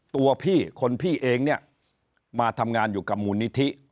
ตัวพี่คนพี่เองเนี่ยมาทำงานอยู่กับมูลนิธิ